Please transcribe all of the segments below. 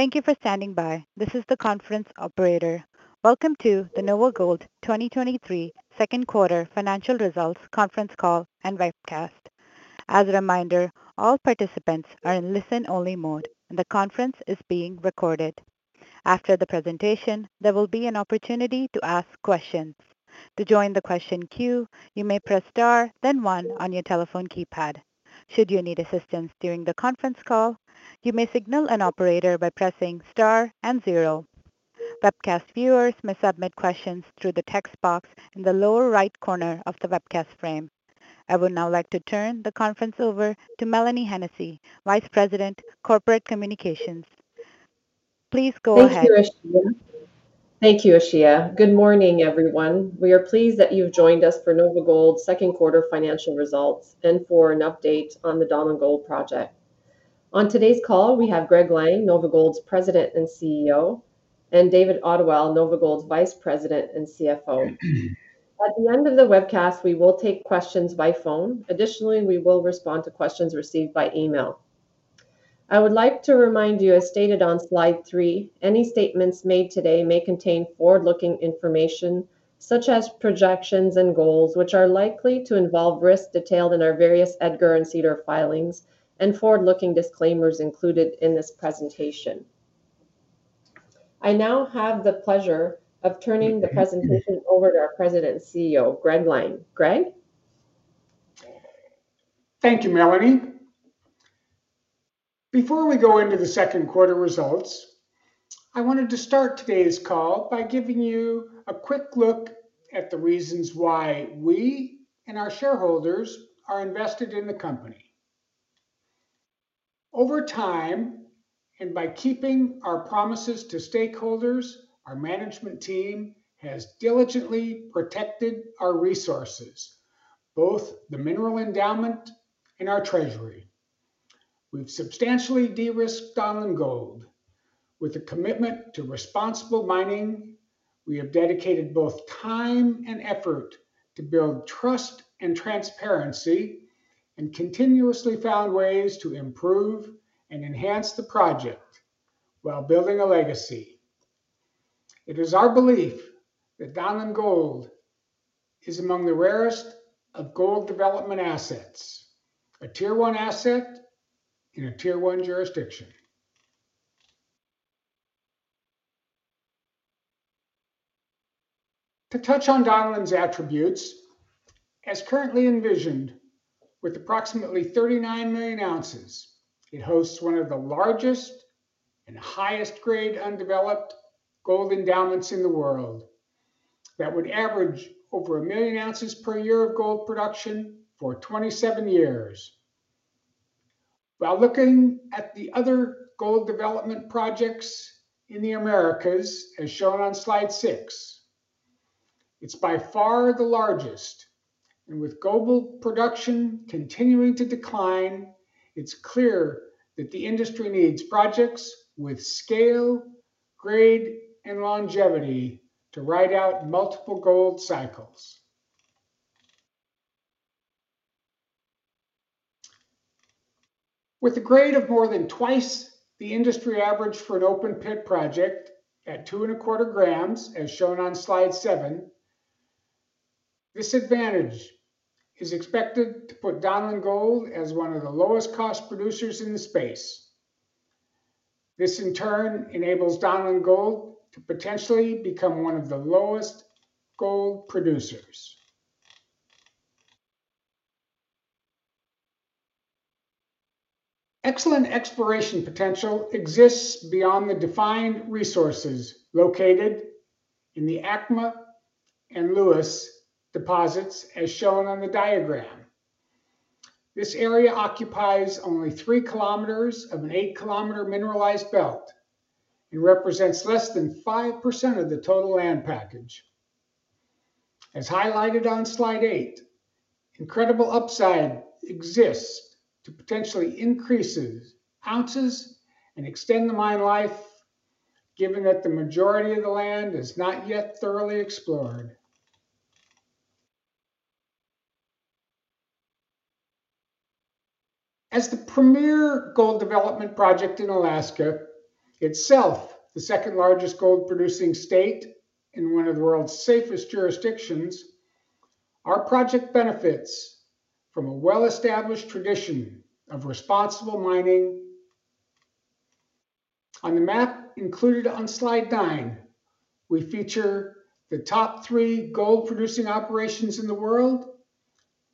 Thank you for standing by. This is the conference operator. Welcome to the NOVAGOLD 2023 Q2 Financial Results Conference Call and webcast. As a reminder, all participants are in listen-only mode, and the conference is being recorded. After the presentation, there will be an opportunity to ask questions. To join the question queue, you may press star then one on your telephone keypad. Should you need assistance during the conference call, you may signal an operator by pressing star and zero. Webcast viewers may submit questions through the text box in the lower right corner of the webcast frame. I would now like to turn the conference over to Mélanie Hennessey, Vice President of Corporate Communications. Please go ahead. Thank you, Ashia. Good morning, everyone. We are pleased that you've joined us for NOVAGOLD's Q2 financial results and for an update on the Donlin Gold project. On today's call, we have Greg Lang, NOVAGOLD's President and CEO, and David Ottewell, NOVAGOLD's Vice President and CFO. At the end of the webcast, we will take questions by phone. Additionally, we will respond to questions received by email. I would like to remind you, as stated on slide three, any statements made today may contain forward-looking information such as projections and goals, which are likely to involve risks detailed in our various EDGAR and SEDAR filings and forward-looking disclaimers included in this presentation. I now have the pleasure of turning the presentation over to our President and CEO, Greg Lang. Greg? Thank you, Mélanie. Before we go into the Q2 results, I wanted to start today's call by giving you a quick look at the reasons why we and our shareholders are invested in the company. Over time, and by keeping our promises to stakeholders, our management team has diligently protected our resources, both the mineral endowment and our treasury. We've substantially de-risked Donlin Gold. With a commitment to responsible mining, we have dedicated both time and effort to build trust and transparency, and continuously found ways to improve and enhance the project while building a legacy. It is our belief that Donlin Gold is among the rarest of gold development assets, a Tier One asset in a Tier One jurisdiction. To touch on Donlin's attributes, as currently envisioned, with approximately 39 million ounces, it hosts one of the largest and highest grade undeveloped gold endowments in the world, that would average over 1 million ounces per year of gold production for 27 years. While looking at the other gold development projects in the Americas, as shown on slide six, it's by far the largest, with global production continuing to decline, it's clear that the industry needs projects with scale, grade, and longevity to ride out multiple gold cycles. With a grade of more than twice the industry average for an open-pit project at 2.25 g, as shown on slide seven, this advantage is expected to put Donlin Gold as one of the lowest cost producers in the space. This, in turn, enables Donlin Gold to potentially become one of the lowest gold producers. Excellent exploration potential exists beyond the defined resources located in the ACMA and Lewis deposits, as shown on the diagram. This area occupies only 3 km of an 8 km mineralized belt and represents less than 5% of the total land package. As highlighted on Slide eight, incredible upside exists to potentially increases ounces and extend the mine life, given that the majority of the land is not yet thoroughly explored. As the premier gold development project in Alaska, itself the second largest gold-producing state and one of the world's safest jurisdictions, our project benefits from a well-established tradition of responsible mining. On the map included on Slide nine, we feature the top three gold-producing operations in the world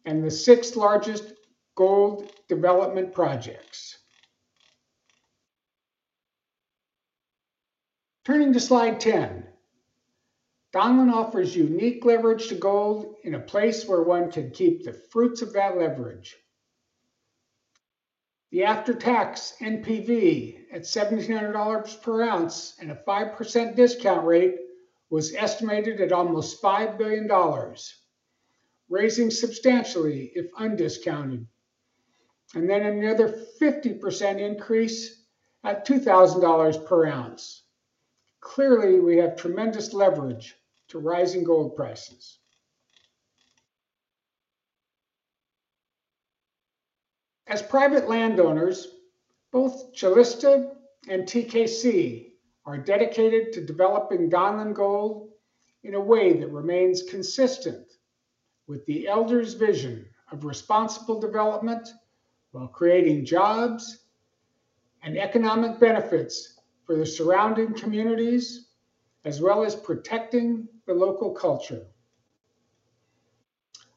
and the sixth largest gold development projects. Turning to Slide 10, Donlin offers unique leverage to gold in a place where one can keep the fruits of that leverage. The after-tax NPV at $1,700 per ounce and a 5% discount rate was estimated at almost $5 billion, raising substantially if undiscounted, and then another 50% increase at $2,000 per ounce. Clearly, we have tremendous leverage to rising gold prices. As private landowners, both Calista and TKC are dedicated to developing Donlin Gold in a way that remains consistent with the elders' vision of responsible development, while creating jobs and economic benefits for the surrounding communities, as well as protecting the local culture.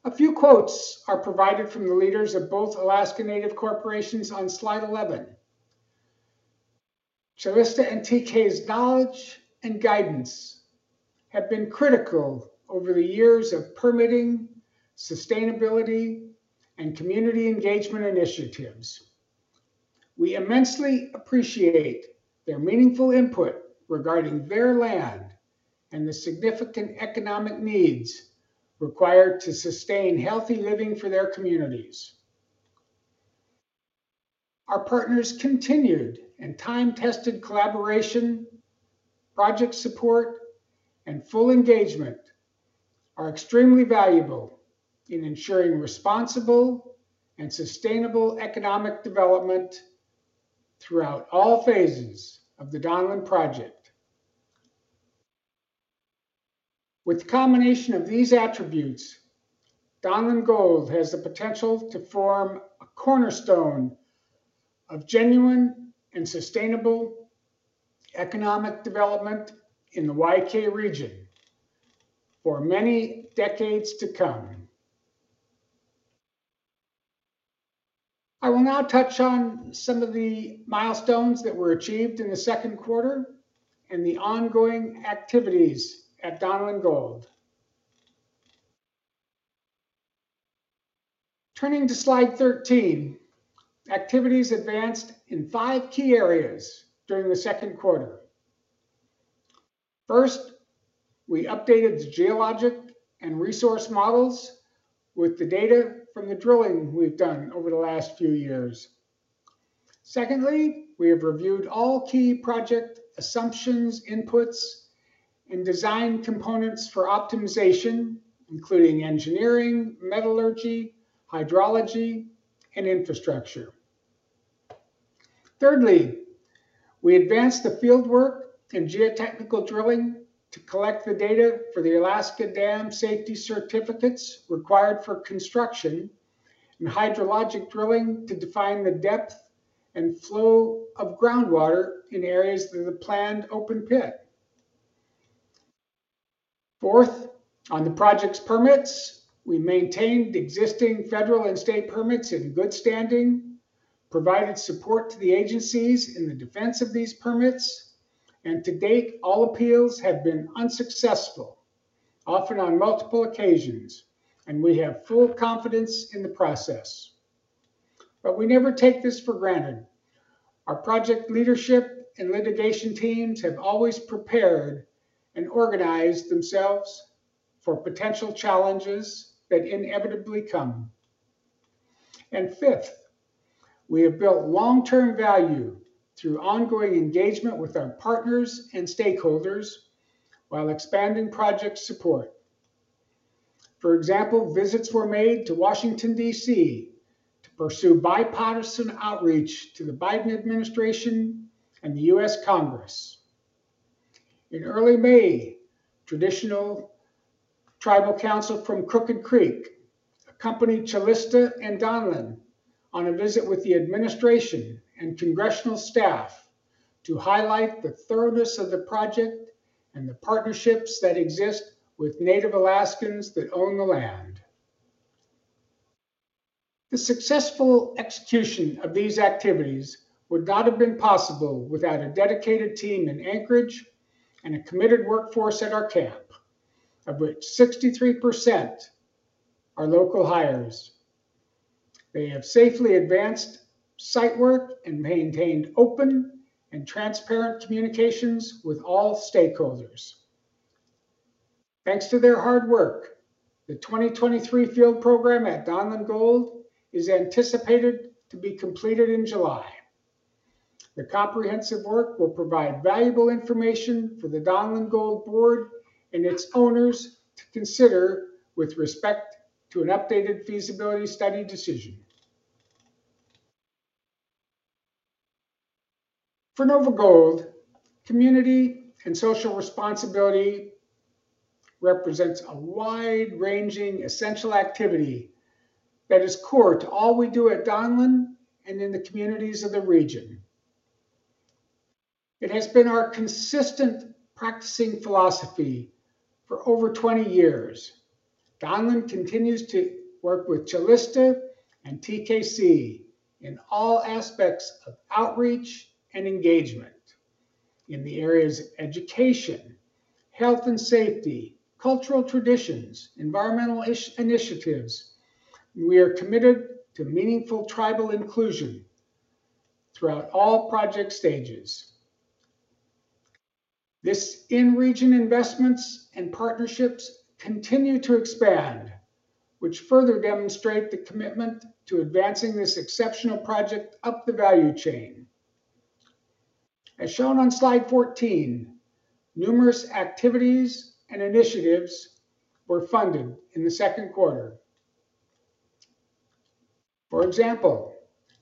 A few quotes are provided from the leaders of both Alaska Native Corporations on slide 11. Calista and TK's knowledge and guidance have been critical over the years of permitting, sustainability, and community engagement initiatives. We immensely appreciate their meaningful input regarding their land and the significant economic needs required to sustain healthy living for their communities. Our partners' continued and time-tested collaboration, project support, and full engagement are extremely valuable in ensuring responsible and sustainable economic development throughout all phases of the Donlin Gold. With the combination of these attributes, Donlin Gold has the potential to form a cornerstone of genuine and sustainable economic development in the YK region for many decades to come. I will now touch on some of the milestones that were achieved in the Q2 and the ongoing activities at Donlin Gold. Turning to slide 13, activities advanced in five key areas during the Q2. First, we updated the geologic and resource models with the data from the drilling we've done over the last few years. Secondly, we have reviewed all key project assumptions, inputs, and design components for optimization, including engineering, metallurgy, hydrology, and infrastructure. Thirdly, we advanced the field work and geotechnical drilling to collect the data for the Alaska Dam Safety certificates required for construction and hydrologic drilling to define the depth and flow of groundwater in areas in the planned open pit. Fourth, on the project's permits, we maintained existing federal and state permits in good standing, provided support to the agencies in the defense of these permits, to date, all appeals have been unsuccessful, often on multiple occasions, we have full confidence in the process. We never take this for granted. Our project leadership and litigation teams have always prepared and organized themselves for potential challenges that inevitably come. Fifth, we have built long-term value through ongoing engagement with our partners and stakeholders while expanding project support. For example, visits were made to Washington, D.C., to pursue bipartisan outreach to the Biden administration and the US Congress. In early May, traditional tribal council from Crooked Creek accompanied Calista and Donlin Gold on a visit with the administration and congressional staff to highlight the thoroughness of the project and the partnerships that exist with Alaska Natives that own the land. The successful execution of these activities would not have been possible without a dedicated team in Anchorage and a committed workforce at our camp, of which 63% are local hires. They have safely advanced site work and maintained open and transparent communications with all stakeholders. Thanks to their hard work, the 2023 field program at Donlin Gold is anticipated to be completed in July. The comprehensive work will provide valuable information for the Donlin Gold board and its owners to consider with respect to an updated feasibility study decision. For NOVAGOLD, community and social responsibility represents a wide-ranging, essential activity that is core to all we do at Donlin and in the communities of the region. It has been our consistent practicing philosophy for over 20 years. Donlin continues to work with Calista and TKC in all aspects of outreach and engagement in the areas of education, health and safety, cultural traditions, environmental initiatives. We are committed to meaningful tribal inclusion throughout all project stages. This in-region investments and partnerships continue to expand, which further demonstrate the commitment to advancing this exceptional project up the value chain. As shown on slide 14, numerous activities and initiatives were funded in the Q2. For example,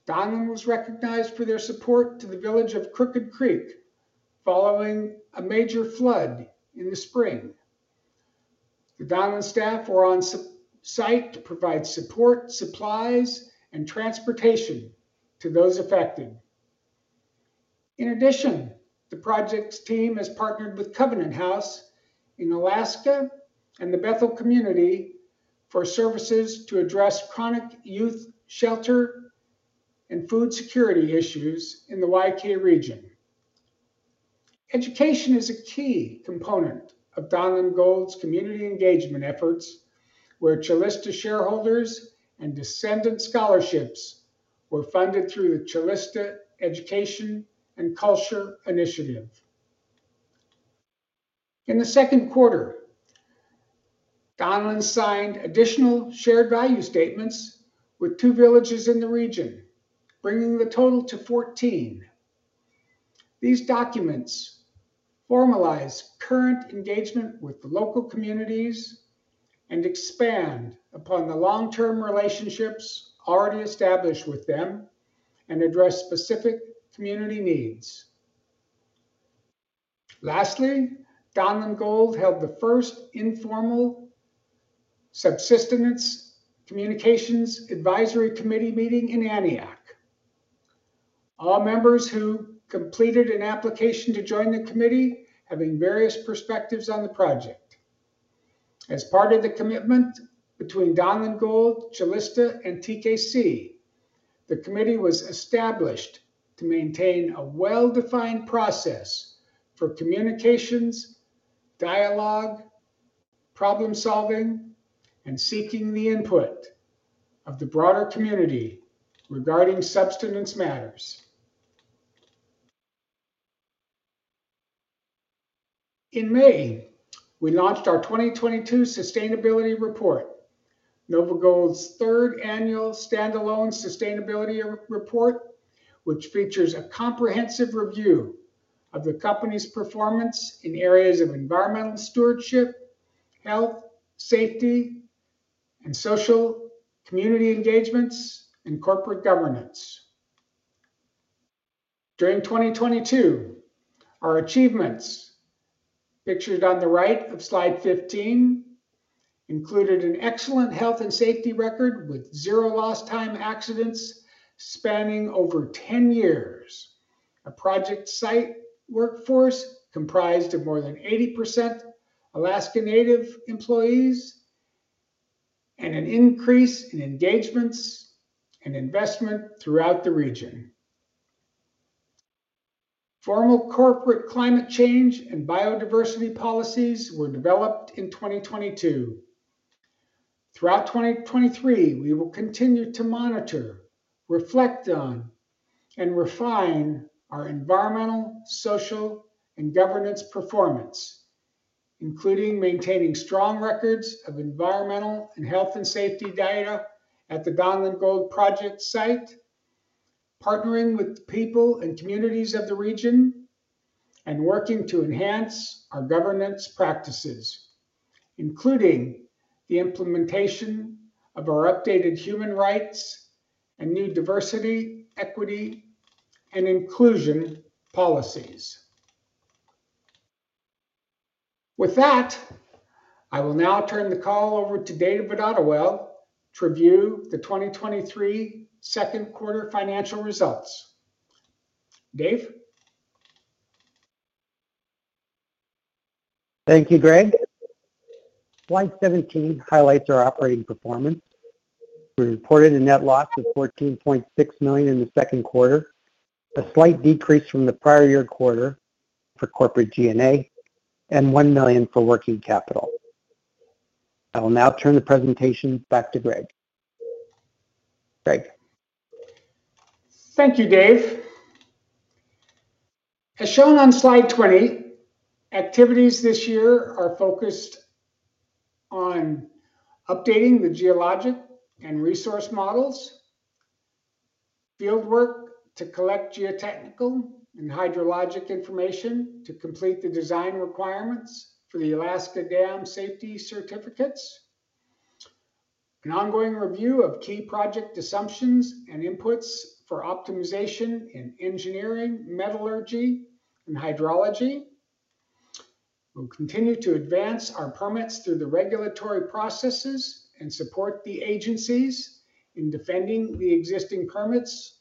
Donlin was recognized for their support to the village of Crooked Creek following a major flood in the spring. The Donlin staff were on site to provide support, supplies, and transportation to those affected. In addition, the projects team has partnered with Covenant House Alaska and the Bethel community for services to address chronic youth shelter and food security issues in the YK region. Education is a key component of Donlin Gold's community engagement efforts, where Calista shareholders and descendant scholarships were funded through the Calista Education and Culture Initiative. In the Q2, Donlin signed additional shared value statements with two villages in the region, bringing the total to 14. These documents formalize current engagement with the local communities and expand upon the long-term relationships already established with them and address specific community needs. Lastly, Donlin Gold held the first informal Subsistence Communications Advisory Committee meeting in Aniak. All members who completed an application to join the committee, having various perspectives on the project. As part of the commitment between Donlin Gold, Calista, and TKC, the committee was established to maintain a well-defined process for communications, dialogue, problem-solving, and seeking the input of the broader community regarding subsistence matters. In May, we launched our 2022 sustainability report, NOVAGOLD's third annual standalone sustainability report, which features a comprehensive review of the company's performance in areas of environmental stewardship, health, safety, and social community engagements, and corporate governance. During 2022, our achievements, pictured on the right of slide 15, included an excellent health and safety record, with zero lost time accidents spanning over 10 years, a project site workforce comprised of more than 80% Alaska Native employees, and an increase in engagements and investment throughout the region. Formal corporate climate change and biodiversity policies were developed in 2022. Throughout 2023, we will continue to monitor, reflect on, and refine our environmental, social, and governance performance, including maintaining strong records of environmental and health and safety data at the Donlin Gold project site, partnering with the people and communities of the region, and working to enhance our governance practices, including the implementation of our updated human rights and new diversity, equity, and inclusion policies. With that, I will now turn the call over to Dave Ottewell to review the 2023 Q2 financial results. Dave? Thank you, Greg. Slide 17 highlights our operating performance. We reported a net loss of $14.6 million in the Q2, a slight decrease from the prior year quarter for corporate G&A, and $1 million for working capital. I will now turn the presentation back to Greg. Greg. Thank you, Dave. As shown on slide 20, activities this year are focused on updating the geologic and resource models, field work to collect geotechnical and hydrologic information to complete the design requirements for the Alaska Dam Safety certificates, an ongoing review of key project assumptions and inputs for optimization in engineering, metallurgy, and hydrology. We'll continue to advance our permits through the regulatory processes and support the agencies in defending the existing permits.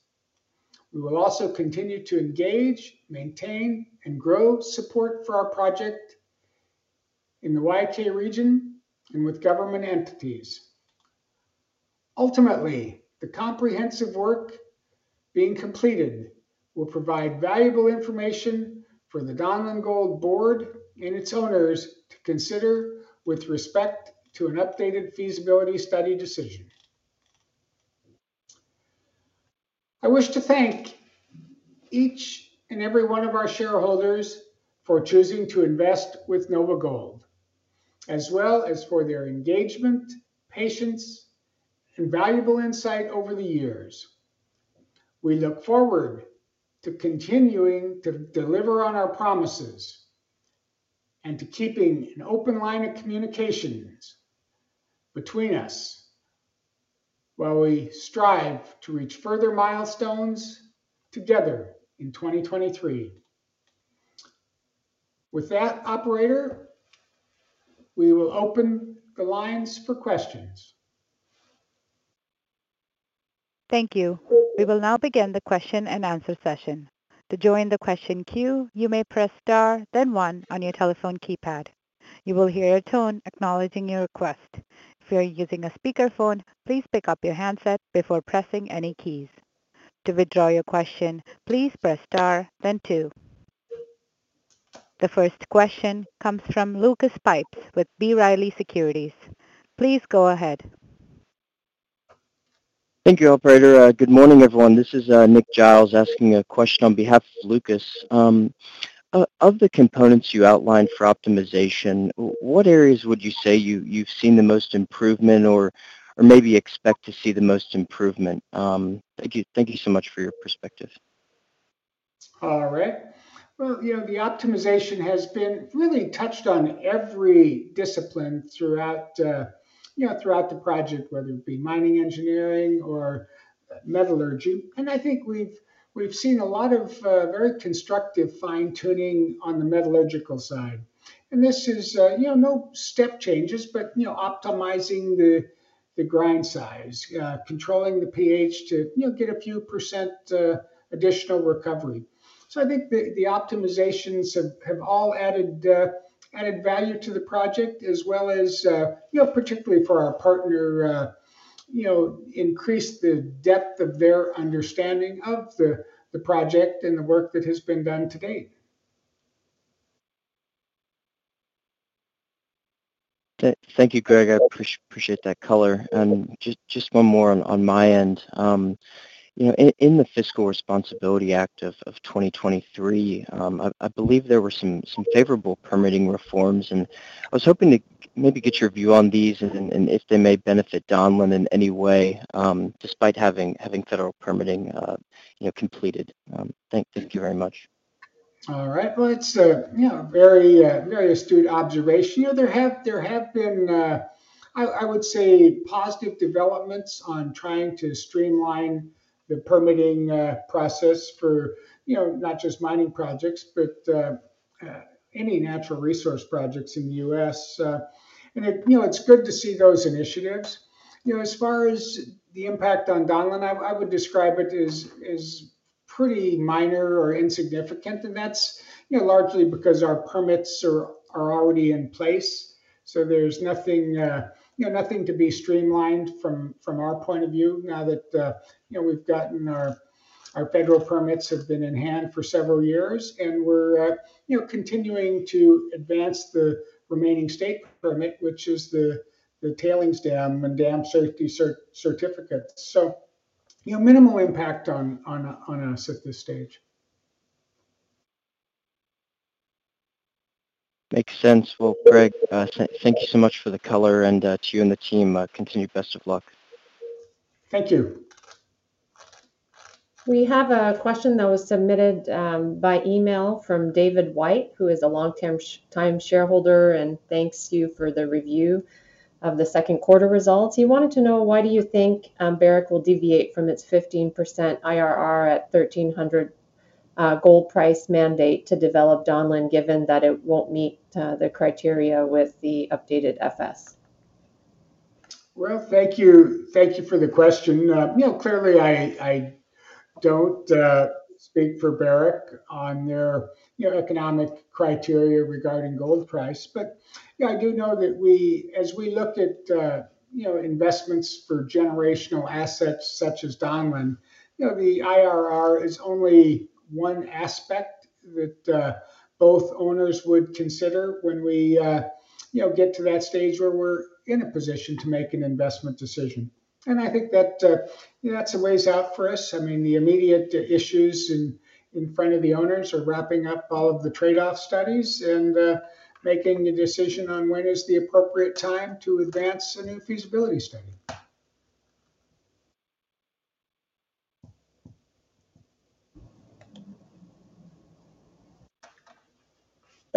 We will also continue to engage, maintain, and grow support for our project in the YK region and with government entities. Ultimately, the comprehensive work being completed will provide valuable information for the Donlin Gold board and its owners to consider with respect to an updated feasibility study decision. I wish to thank each and every one of our shareholders for choosing to invest with NOVAGOLD. as well as for their engagement, patience, and valuable insight over the years. We look forward to continuing to deliver on our promises and to keeping an open line of communications between us while we strive to reach further milestones together in 2023. With that, operator, we will open the lines for questions. Thank you. We will now begin the question-and-answer session. To join the question queue, you may press star then one on your telephone keypad. You will hear a tone acknowledging your request. If you are using a speakerphone, please pick up your handset before pressing any keys. To withdraw your question, please press star then two. The first question comes from Lucas Pipes with B. Riley Securities. Please go ahead. Thank you, operator. Good morning, everyone. This is Nick Giles asking a question on behalf of Lucas. Of the components you outlined for optimization, what areas would you say you've seen the most improvement or maybe expect to see the most improvement? Thank you. Thank you so much for your perspective. All right. Well, you know, the optimization has been really touched on every discipline throughout the project, whether it be mining engineering or metallurgy. I think we've seen a lot of very constructive fine-tuning on the metallurgical side. This is, you know, no step changes but, you know, optimizing the grind size, controlling the pH to, you know, get a few percent additional recovery. I think the optimizations have all added value to the project, as well as, you know, particularly for our partner, you know, increased the depth of their understanding of the project and the work that has been done to date. Thank you, Greg. I appreciate that color. Just one more on my end. You know, in the Fiscal Responsibility Act of 2023, I believe there were some favorable permitting reforms, and I was hoping to maybe get your view on these and if they may benefit Donlin in any way, despite having federal permitting, you know, completed. Thank you very much. All right. Well, it's a, you know, very, very astute observation. You know, there have been, I would say, positive developments on trying to streamline the permitting process for, you know, not just mining projects, but, any natural resource projects in the U.S. You know, it's good to see those initiatives. You know, as far as the impact on Donlin, I would describe it as pretty minor or insignificant, and that's, you know, largely because our permits are already in place, so there's nothing, you know, nothing to be streamlined from our point of view now that, you know, we've gotten our... Our federal permits have been in hand for several years, we're, you know, continuing to advance the remaining state permit, which is the tailings dam and dam safety certificate. You know, minimal impact on us at this stage. Makes sense. Well, Greg, thank you so much for the color, and to you and the team, continued best of luck. Thank you. We have a question that was submitted by email from David White, who is a long-term time shareholder. Thanks to you for the review of the Q2 results. He wanted to know, why do you think Barrick will deviate from its 15% IRR at $1,300 gold price mandate to develop Donlin, given that it won't meet the criteria with the updated FS? Well, thank you. Thank you for the question. you know, clearly, I don't speak for Barrick on their, you know, economic criteria regarding gold price. Yeah, I do know that as we looked at, you know, investments for generational assets such as Donlin, you know, the IRR is only one aspect that both owners would consider when we, you know, get to that stage where we're in a position to make an investment decision. I think that, you know, that's a ways out for us. I mean, the immediate issues in front of the owners are wrapping up all of the trade-off studies and making a decision on when is the appropriate time to advance a new feasibility study.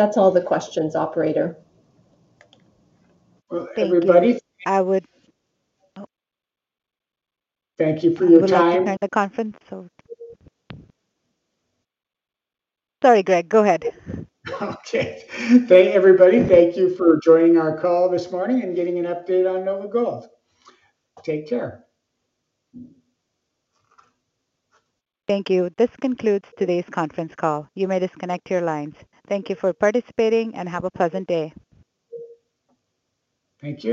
That's all the questions, operator. Well. Thank you. I would. Thank you for your time. join the conference, so... Sorry, Greg, go ahead. Okay. Thank you, everybody. Thank you for joining our call this morning and getting an update on NOVAGOLD. Take care. Thank you. This concludes today's conference call. You may disconnect your lines. Thank you for participating, and have a pleasant day. Thank you.